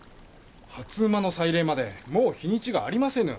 初午の祭礼までもう日にちがありませぬ。